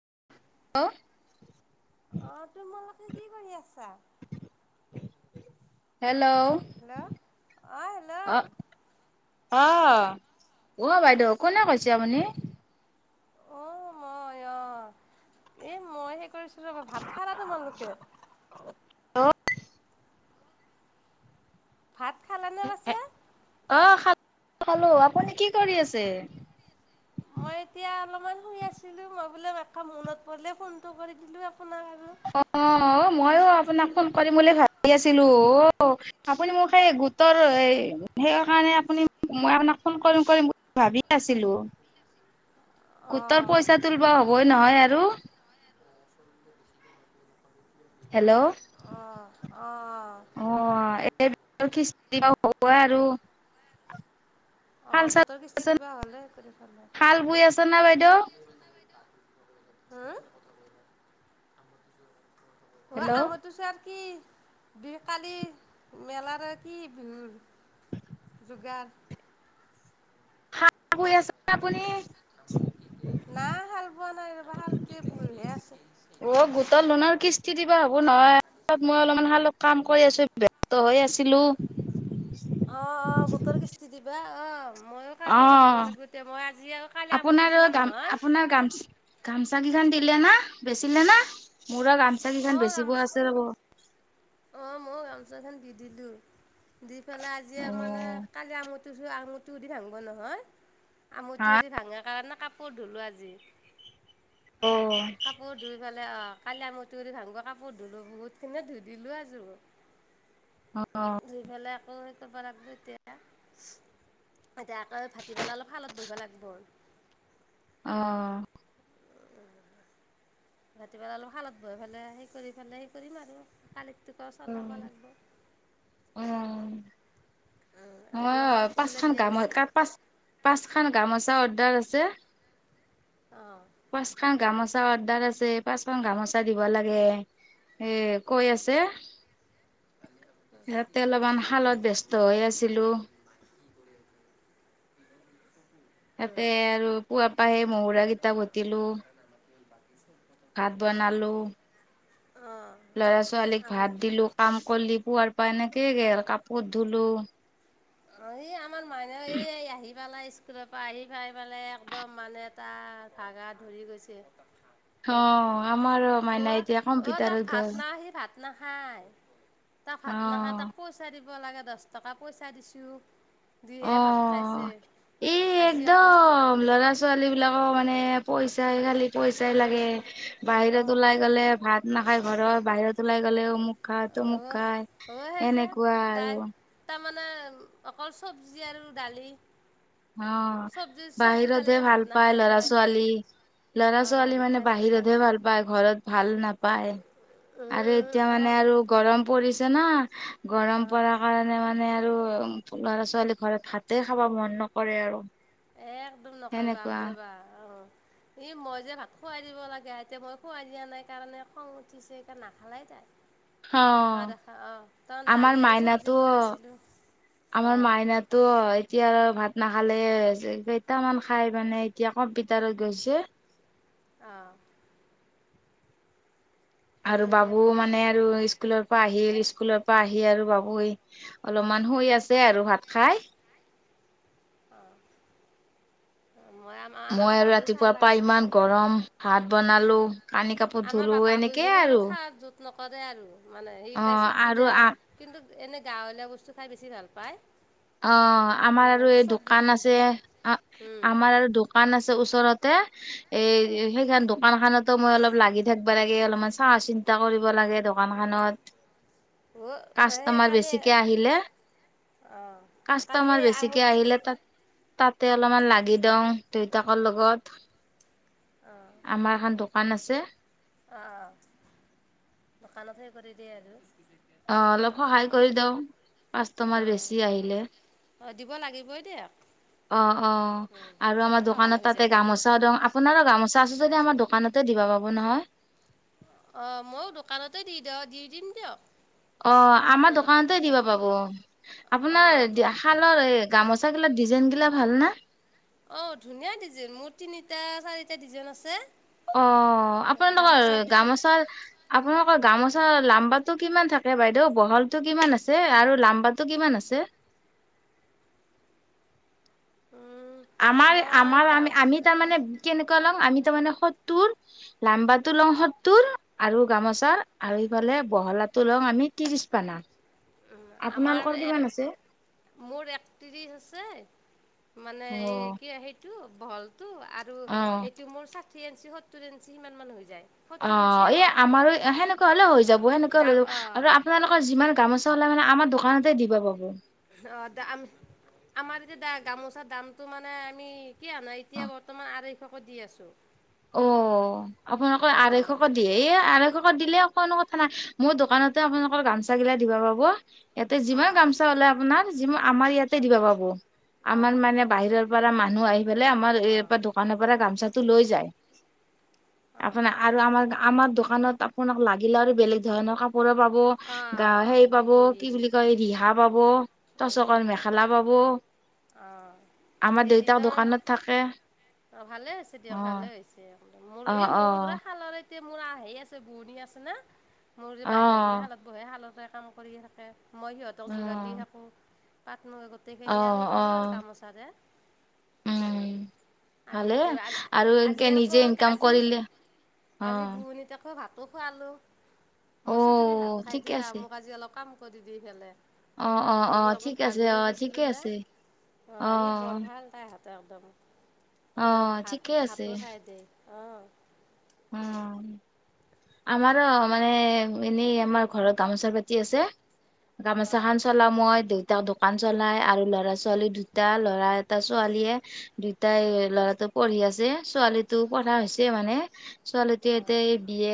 [unintelligible] অ', তোমালোকে কি কৰি আছা? হেল ল্ল' হেল্ল' অ অ, হেল্ল' অ'। অ, অ' বাইদেউ কোনে কৈছে আপুনি? অ', মই অ', এ, মই হেই কৰিছ [unintelligible] ভাত খালা তোমালোকে? [unintelligible] ভাত খাল নে বাছে? খালোঁ, আপুনি কি কৰি আছে? মই এতিয়া অলমান শুই আছিলো, মই বোলে মাত সাৰ মনত পৰিলে, ফোনটো কৰি দিলো আপোনাক। আৰু অ', অ'। অ', ময়ো আপোনাক ফোন কৰিম বুলি ভাবি আছিলো। অ', আপুনি মোক সেই গোটৰ এই, সেয় কাৰণে আপুনি মই আপোনাক ফোন কৰিম-কৰিম বুলি ভাবি আছিলো। [unintelligible] গোটৰ অঁ পইচা তুলব' হ'বই নহয় আৰু? হেল্ল অঁ অঁ অ' এই [unintelligible] হব আৰু। আহ শাল চাল ভোটৰ কিস্তি দিবা হলে, কৰি ভালাই শাল বৈ আছে না বাইদেউ হা? হ হেল্ল' আমোতি চোৱা আৰু কি? দুই কালি মেলাৰে কি বিহুৰ জুগাৰ? [unintelligible] আপুনি নাই হাল বোৱা নাই ৰবা হালটে বহে আছে অ গোটৰ [unintelligible] হ'ব নহয় তাত মই অলপমানাল হালত কাম কৰি আছো ব্যস্ত হৈয়ে আছো। ভাবি আছিলোঁ, অ'-অ' গোটৰ কিস্তি দিবা? অ', ময়ো অ, কালি দিব লাগিব এতিয়া মই আজি আৰু কালি আমঠু আপোনাৰ চোৱা গাম নহয় আপোনাৰ গামচা-গামচা কিখন দিলে না? বেছিলে না? মোৰ গামচা কিখন অ', বেচিব গামোচা আছে ৰ'ব। অ, মই গামোচাখন দি দিলো, দি পেলাই আজি অ মানে কালি আমঠ আঙুৰটো দি ভাংব নহয়, হা আঙুৰটো দি ভাঙাৰ কাৰণে কাপোৰ ধুলোঁ আজি। অ কাপোৰ ধুই পেলে অ'। কালিয়া ম তৰি ভাং গৰ কাপোৰ ধুলো বহুত খিনি ধুই দিলো আজো। অ ধইফালে আকৌ সটো প লাগিব এতিয়া। এতিয়া আকৌ ভাটি পেলাই অলপ শালত বহিব লাগিব আৰু। আহ। ৰাতিপুৱেলা অলপ শালত বই পেলাই সেই কৰি পেলাই সেই কৰিম আৰু কালি োক চললাব লাগিব। অ আপোনালোকৰ অ' কাপোৰগিলা পাঁচখন দিয়া হৈছে গামতাত পাঁচ পাঁচ খান গামত াহ অৰ্্ডাৰ আছে। অ'। পাঁচখন গামোচা অৰ্ডাৰ আছে পাঁচ খখন গামোচা দিব লাগে। এ কৈ আছে। সিহতে অলপমান শালত ব্যস্ত হৈ আছিলো। তাতে আৰু পুৱা পাহে মহুৰা কেইটা ভতিলো। ভাত বনালো। অঁ ল'ৰা ছোৱালীক আম ভাত দিলো কাম কলি পোৱাৰ পৰা এনেকয় গ কাপোৰ ধুলো। হয়। এই আমাৰ মানুহ এই আহি পেলাই স্কুলৰ পৰা আহি পাই পেলাই একদম মানে তাই ভাগ‌ গা ধৰি গৈছে। হয় অ' আমাৰো মাইনা অ' এতিয়া অ' তাক কম্পিউটাৰত ভাত গল। না সি ভাত নাখায় তাক অ ভাত নাখায় তাক পইচা দিব লাগে দচ টকা পইচা দিছো। [inaudible] অ' এই আজি অকল একদম লৰা ছোৱালী বিলাক অ' মানে পইচাই খালি পইচাই লাগে। বাহিৰত অঁ ওলাই গলে ভাত নাখায় ঘৰত বাহিৰত ওলাই গ'লে অমুক খায় তমুক অ', অ', খাই। এনেকুৱা আৰু। মানে অকল চবজি আৰু দালি। অ' চব্জি চব্জি বাহিৰতহে দালিৰে ভাত ভাল পায় নাখায় ল'ৰা তাই ছোৱালী। লৰা অ', ছোৱালী বাহিৰত মানে খাই ভাল পায় বাহিৰতহে ভাল পায় ঘৰত ভাল নাপায় পাই আৰু, উম, এতিয়া আমাৰ মানে আৰু গৰম পৰিছে ন। গৰম অ', পাৰ কাৰণে মানে আৰু ল'ৰা ছোৱালী ঘৰত ভাতে খাব মন ন কৰে আৰু। এ একদম নকৰেবা সেনেকুৱা, নকৰে বাপৰে বাপ। ই মই যে ভাত খোৱাই দিব লাগে, এতিয়া মই খোৱাই দিয়া নাই কাৰণে খং উঠিছে এটিয়া নাখালেই তাই। নহা অ', দেখা অ', তাৰন আমাৰ দালি আৰু মাইনাটো চব্জি বনাইছিলো। আমাৰ মাইনাতো এতিয়া ভাত নাখালে জে-কেইটামান খাই মানে এতিয়া কম্পিউটাৰত গৈছে অ'। আৰু এতিয়া বাবু মই মানে কৈছোঁ আৰু স্কুলৰ পৰা আহিল স্কুলৰ পা আহি আৰু বাবু এই, অলপমান শুই আছে আৰু ভাত খাই। আহ। মই আৰু ৰাতিপুৱাৰ পৰা ইমান গৰম ভাত বনালো কানি কাপোৰ ধুলো এনেকেই আৰু। কৰে আৰু মানে সেই অ তাই চব্জি আৰু দিয়া আ কিন্তু এনে গাঁৱলীয়া বস্তু খাই বেছি ভাল পায়। অ' আমাৰ আৰু মানে এই চব্জি দোকান তব্জি আছে দিয়ে উম আমাৰ আৰু দোকান আছে ওচৰতে অঁ এ সেইখান দোকান খানত ত'মই অলপ লাগি থাকবা লাগে অলপমান চাহ চিন্তা কৰিব লাগে দোকান খনত। অ' সেই কাষ্টমাৰ কালি বেছিকে আহিলে। অঁ কালি কাষ্টমাৰ এই বেছিকে আমুত আহিলে তাত তাতে অলপমান লাগি দওঁং, দেউতাকৰ লগত। আমাৰ এখন দোকান আছে। অ', দোকানত হেৰি কৰি দিয়ে আৰু। অ', অলপ সহায় কৰি দওঁ, কাষ্টমাৰ বেছি আহিলে। শুবই দিয়া। অ', অ', আৰু আমাৰ সহায় হৈ দোকানতাতে যাবনে গামোচাও দওঁ, আপোনাৰো গামোচা আছে যদি আমাৰ দোকানতে দিবা পাব বো নহয়। অ', ময়ো দোকানতে দি দওঁ দি দিম দিয়ক। অ', আমাৰ আপোনালোকৰ দোকানতে সৈতে। দিব পাব। আপোনাৰ অঁ শালৰ গামোচা গিলা ডিজাইন গিলা ভাল না? অ', ধুনীয়া ডিজাইন মোৰ তিনিটা চাৰিটা ডিজাইন আছে। অ' আপোনালোকৰ গামোচাৰ ডিজাইন গামোচাৰ, আপোনালোকৰ গামোচ আ লম্বাটো কিমান থাকে বাইদেউ, বহলতো কিমান আছে আৰু লাম্বাতো কিমান আছে? [unintelligible] উম, মই আমাৰ-আমাৰ গাম আমি-আমি তাৰমানে কেনেকুৱা লওঁ, আমি তাৰমানে সত্তৰ লাম্বাটো লওঁ সত্তৰ, আৰু গামোচাৰ আৰু ইফালে বহলাটো লওঁং আমি তিৰিছপালা। উম, আমাৰ এক, মোৰ একত্ৰিছ আছে মানে অ এই কি সেইটো বহলটো, আৰু অ এইটো মোৰ চাক থ্ৰী ইঞ্চি সত্তৰ ইঞ্চি সিমান মান হৈ যায়। সত্তৰ ইঞ্চিয়ে অ', এ হয় আমাৰো সেনেকুৱা হলেও হৈ যাব অঁ সেনেকুৱা দাম হলে যাব, অঁ আৰু আপোনালোকৰ যিমান গামোচা ওলা থা আমাৰ দোকানতে দিব পাব। অ', দাম আমাৰ এতিয়া দা-গামোচাৰ দামটো মানে আমি কি অনাই অ এতিয়া বৰ্তমান আঢ়ৈশকে দি আছো। অ', আপোনালোকে আঢ়ৈশকৈ দিয়ে, এ আঢ়ৈশকৈ দিলে কোনো কথা নাই, মোৰ দোকানতে আপোনালোকৰ গামচা গিলা দিবা পাব ইয়াতে যিমান অঁ অঁ গামচা ওলাই আপোনাৰ, যিমা আমাৰ ইয়াতে অঁ দিবা পাব। অঁ আমাৰ অঁ মানে বাহিৰৰ পৰা মানুহ আহি পেলাই আমাৰ অঁ এইপ দোকানৰ পৰা গামচা টো লৈ যায়। অঁ আপোনা আৰু আমাৰ-আমাৰ দো দোকানত আপোনাক লাগিলে আৰু বেলেগ ধৰণৰ কাপ পৰা পাব, অঁ অঁ গা-সেই দি পাব দিম দি কি দিম বুলি কয় ৰিহা পাব, তচকৰ মেখেলা পাব ব অ', দুই তিনিটা মান, থাকে অ', ভালে হৈছে অ দিয়া ভালে হৈছে। এ মোৰ অ এই অ মোৰো ঘূৰা শালৰ এতিয়া মোৰ আহেই আছে বোৱনী আছে না, মোৰ যে বাহিৰ ভণী অ শালত বহে শালতে কাম কৰিয়ে থাকে, মই সিহঁতক যোগাৰ দি থাকোঁ। মই অ অ গোটেইখিনি আৰু সেই কৰো অ আৰু গামোচাৰে। উ, উম ভালে আজিতো আৰু এনকে আ-আজি আৰ নিজে ক ইনকাম কাজি কৰিলে অ আজি ঘোনি তক ভাত। খোৱালো। অ মইছো তুমি ভাত খাই ঠিকে দিয়া, আছে মোক আজি অলপ কাম কৰি দিফেলে। অ', অ', অ' ঠিক আছে, অ', ঠিকে গৈছিলোঁ না আছে, অ'। দমদম, অ একদম ভাত ঠিকে ভাতো খাই দে। উম। আমাৰো মানে, এনেই আমাৰ ঘৰত গামোচা পাতি আছে। অঁ অঁ গামোছাহান চলা মই দেত তেওঁ দোকান চলাই আৰু ল'ৰা ছোৱালী দুটা, ল'ৰা এটা ছোৱালীয়ে দুটাই ল'ৰাটো পঢ়ি আছে ছোৱালীটো পঢ়া হৈছে মানে, ছোৱালীটো অঁ এতিয়া এই বি ইয়ে,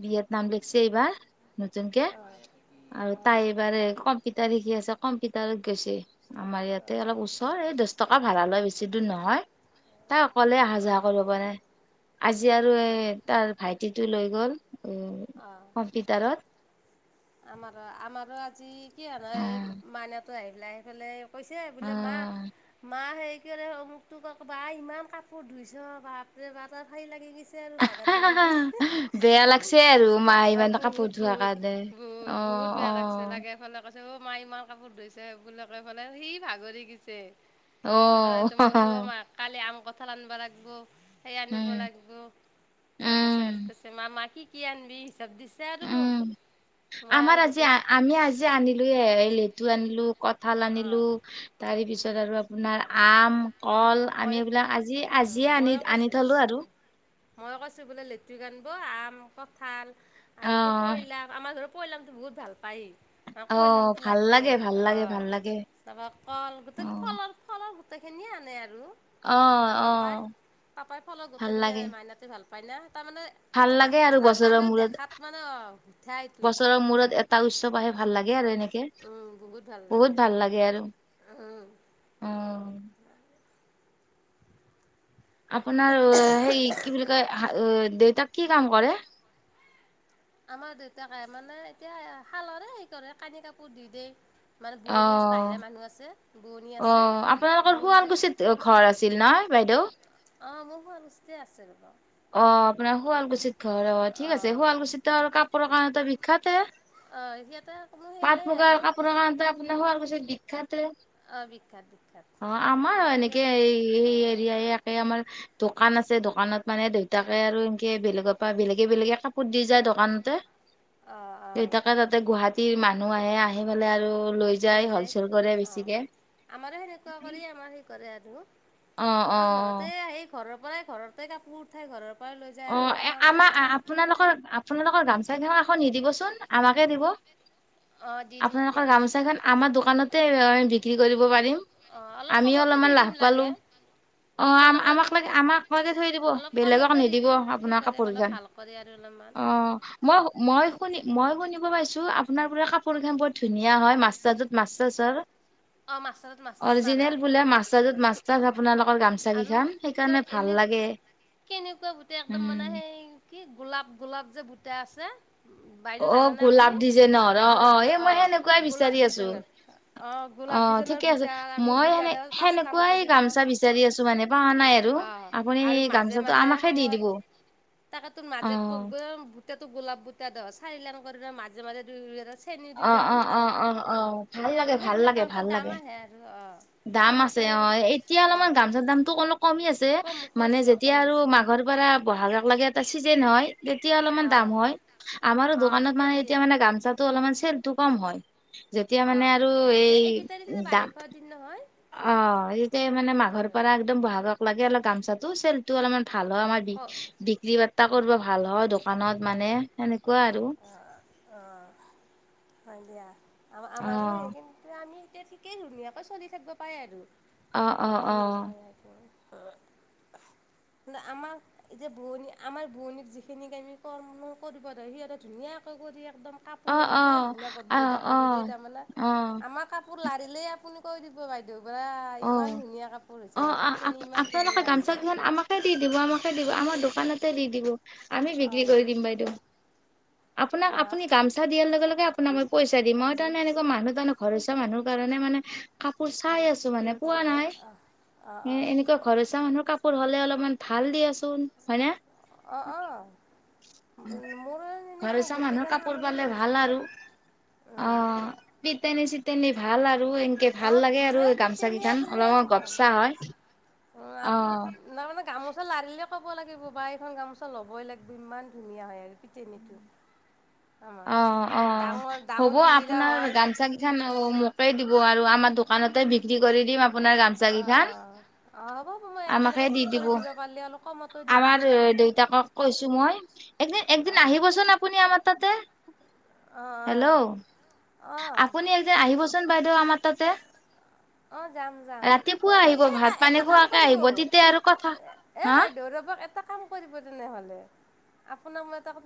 বি এত নাম লিখছে এইবাৰ, নতুনকে। আৰু তাই এইবাৰে কমপিটাৰ শিক সি আছে কম্পিটাৰত গৈছে, আমাৰ ইয়াতে অলপ ওচৰ, এই দছ টকা ভাড়া লয় বেছি দূৰ নহয়। [inaudible] তাই অকলে অহা যা কৰিব পাৰে, আজি আৰু এ তাৰ ভাইটিটো লৈ গ'ল। উ, কম্পিটাৰত। আমাৰ, আমাৰো আজি কি হয়নে, এই অ' মাইনাটো আহিলে, আহি পেলাই কৈছে বোলে, মা, মা হে কি ৰে, মোক তোক ক বা ইমান কাপোৰ ধুইছ, বাপ ৰে বাপা ভয় লাগি গি বেয়া লাগছে আৰু, মায়ে ইমান কাপোৰ ধোৱা কাৰণে। বোত, অ বোহুত অ বেয়া লাগছে, লাগে ফালে ক তোৰ মাই ইমান কাপোৰ ধুইছে বোলে কৈ ফালে সি ভাগৰি গিছে। অ [unintelligible] মইছো মাক কালি আম কঁঠাল আনবা লাগব। সেই আনিব উম লাগব, তাৰপাছত উম কৈছে মা, মা, কি কি আনবি হিচাব দিছে আৰু মোক। উম মই আৰু আমাৰ আজি গোটেইখিনি আমি আজি আনিলোয়ে, লেতু আনিলো। কঁঠাল আনিলো, অঁ তাৰেপিছত আৰু আপোনাৰ আম। কল, মই আমি এইবিলাক আজি অঁ আজিয়ে আনি আনি থলো আৰু। মই কৈছো বোলে লেতুক আনব, আম, কঁঠাল, অ আৰু কি পইলাক আমাৰ ধৰ পৈলাকতো বহুত ভাল পায়ি। অ পৈলাকটো ভাল লাগবয়ে। লাগে ভাল লাগে ভাল অ'। লাগে তাৰপা কল গোটে অ ফলৰ ফলৰ গোটেখিনিয়ে আনে আৰু, অ তাৰ অ পাপাই। পাপাই ফলৰ গোটেখিনি আনে, মাইনাতো ভাল পা ভাললাগে আৰু বছৰৰ দেখাত মূৰত, মানে অঁ মিঠাইটো বছৰৰ মূৰত এটা উৎচৱ আহে ভাল লাগ গে আৰু এনেকে, বহুত ভাল বহুত ভাল লাগে আৰু। লাগে উ। আপোনাৰ হেই কি বুলি কয়, দেউতাক কি কাম কৰে? আমাৰ দেউতাকে মানে এতিয়া শালৰে হেৰি কৰে, কানি কাপোৰ দি দেই। অ', বোৱনী আছে অ', আপোনালোকৰ বোৱনী থাক শুৱালকুছিত ঘৰ আছিল নয়? বাইদ'। অ', মোৰ হম স্টে আছে। অ', আপোনাৰ শুৱালকুছিত ঘৰ, অ', ঠিক আছে অঁ শুৱালকুছিতটো আৰু কাপোৰৰ কাৰণেত বিখ্যাতে। অঁ সিহঁতে কোনো হেৰি নাই আৰু পাট-মুগাৰ কাপোৰৰ কাৰণটো আপোনাৰ শুৱালকুছি বি ত, অঁ বিখ্যাত বিখ্যাত। আমাৰো আমাৰ এনেকে ইয়াত এই এই অঁ এৰিয়া একে আমাৰ দোকান আছে দোকানত মানে দেউতাকে আৰু এনকে বেলেগৰ পৰা বেলেগে বেলেগে কাপোৰ দি যায় দোকানতে। অঁ অঁ দেউতাকে তাতে গুৱাহাটীৰ মানুহ আহে, আহি পেলাই আৰু লৈ যায়, হলচেল কৰে বেছিকে অ', আমাৰো সেনেকুৱা কৰি আমাৰ সেই কৰে আৰু। অ অ মই ঘৰতে আহি ঘৰৰ পৰাই ঘৰতে কাপোৰ উঠাই ঘৰৰ প অ', এ, আমাৰ আপোনালোকৰ আপোনালোকৰ গামচাই [unintelligible] অ', নিদিবচোন, আমাকে দিব। অঁ দি দিম আপোনালোকৰ দিয়ক। গামোচাখন আমাৰ দোকানতে লৈ বিক্ৰী কৰিব পাৰিম। অ', অলপ আমিও কমতে অলপমান দি লাভ দিম পালো। লাগে। অ, আপোনালোকে আম-আমাক যদি লাগে আমাক লাগে থৈ দি, ব বেলেগক [unintelligible] নিদ অলপ ভাল কৰে আৰু। অলপমান অ, মই-মই শুনি মই শুনিব পাইছো আ আপোনাৰ পোৰা কাপোৰ খনি বৰ ধুনীয়া হয়, মাছ চযত মাছ চাছৰ অঁ মাছালাত মাছ চাছ মাৰা অৰিজিনেল বোলে, মাছাজত [unintelligible] আপোনালোকৰ গামচাি আৰু খাম তেওঁ সেইকাৰণে ভাল এনে লাগে। কেনেকুৱা বুটে একদম মানে উম সেই কি গোলাপ গোলাপ যে বুটে আছে। বাইদেউ অ জানেনে গোলাপ আপুনি, ডিজাইনৰ অ গোলাপ এই অ মই সেনেকুৱাই গোলাপ বিচাৰি আছো। ডিজনৰ। অ'। অ', ঠিকে আছে, মই সেনে, পাঁচলাম সেনেকুৱাই কৰি দিওঁ গামচা বিচাৰি আছো মানে পাৱা নাই আৰু। অঁ আপুনি, আৰু মাজে গামচাটো মাজে আমাখে দি দিব। সময়ত তাকে তোৰ অ মাজে [unintelligible] দেওঁ অ-অ-অ-অ-অ, ভাল লাগে ভাল লাগে। তা ভাল দাম লাগে আহে আৰু, অ, দাম আছে অ, এতিয়া অলপমান গামছা দামতটো অলপ কমি আছে, কম মানে কৈছে অঁ যেতিয়া আৰু কমিছে মাঘৰ পৰা এটা বহাগাক লাগে এটা চিজেন হয় তেতিয়া অলপমান দাম অঁ হয়, আমাৰো অঁ দোকানত তেতিয়া মানে সেই এতিয়া হয় মানে গামচাটো অলপমান চেলটো কম হয়। যেতিয়া মানে অ', আৰু এই এককেইটা দিন যে দা বাৰিষৰ দিন নহয় অ, এতিয়া মানে মাঘৰ পৰা একদম বহাগক লাগে অলপ গামচাটো চেল টো অলপমান ভাল হয়, আমাৰ ক অঁ বি-বিক্ৰী বাৰ্তা কৰিব ভাল হয় দোকানত অঁ মানে, সেনেকুৱা আৰু। অঁ হয় দিয়া অ আমা-আমাৰো এই কিন্তু আমি এতিয়া ঠিকেই ধুনীয়াকৈ চলি থাকিব পাই আৰু। অ-অ-অ, অ, আমাক এতিয়া ভুৱনী আমাৰ ভনীক যিখিনিক আমি কৰ্ম কৰিব দিওঁ সিহঁতে ধুনীয়াকৈ কৰি একদম অ অ কাপোৰ ইমান ধুনীয়া অ অ গদগদা কৰি দেই তাৰমানে, অ আমাৰ কাপোৰ লাৰিলেই আপুনি কৈ দিব বাইদেউ। বা অ, ইমান ধুনীয়া কাপোৰ হৈছে অ, বা পিতেনী ইমান আ-আপ-আপোনালোকে ধুনীয়া গামচা হৈছে কেইখন আমাকে দি দিব, আমাকে দিব, আমাৰ দোকানতে দি দিব, আমি বিক্ৰী অঁ কৰি দিম বাইদেউ। আপোনাক অঁ আপুনি গামচা দিয়াৰ লগে-লগে আপোনাক মই পইচা দিম, মই তাৰমানে এনেকুৱা মানুহ জন ঘৰৰ ওচৰৰ মানুহ কাৰণে মানে, কাপোৰ চাই আছো মানে পোৱা নাই, অঁ অঁ এ অঁ এনেকুৱা ঘৰ ওচৰৰ মানুহ কাপ পোৰ হ'লে অলপমান ভাল দিয়াচোন, হয়নে? অ'-অ' ঘৰ ওচৰৰ মানুহৰ কাপোৰ শালৰে পালে সেই ভাল চাকে আৰু। অ, [unintelligible] তেনি ভাল আৰু এনকে ভাল অঁ লাগে আৰু ধুনীয়া গামচা পিতেনী কেইখন, আপুনি অলপমান একদম গপচা হয়। অ', খন লাৰিলেই ক'ব লাগিব বা এইখন গামোচা ল'বই লাগিব ইমান ধুনীয়া হয় আৰু পিটনীটো। [unintelligible] অ'-অ', হ'ব দীঘিলা আপোনাৰ হয় গামছা কেইখন অ, মোকেই দিব ব আৰু, আমাৰ দোকানতে বিক্ৰী কৰি দিম আপোনাৰ গামচা কেইখন। অ, হব-হব মই আমাকে একেলগে দি থোপ দিব, কৰি পাৰিলে অলপ কমতো দি দিব আমাৰ পাৰিম এ দেউতাকক কৈছো মই, একদিন-একদিন অঁ আহিবচোন আপুনি আমাৰ তাতে। অঁ হেল্ল', অঁ অঁ আপুনি একদিন আহিবচোন বাইদেউ আমাৰ তাতে। অ, যাম-যাম, ৰাতিপুৱা আহিব সেই ভাত পানী এটা-এটা কাম খোৱাকে কৰিব, আহিব তেতিয়া আৰু কথা এ, হা বাইদেউ ৰব এটা কাম কৰিব তেনেহ'লে, আপোনাক মই এটা কথা